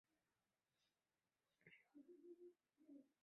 是为协助丰臣政权打倒岛津氏的重要武将。